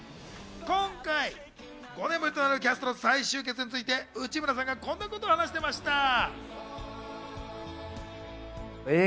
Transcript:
今回、５年ぶりとなるキャストの再集結について、内村さんがこんなことを話していました。